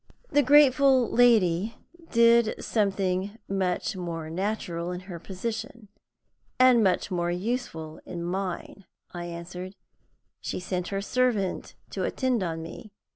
"The grateful lady did something much more natural in her position, and much more useful in mine," I answered "she sent her servant to attend on me.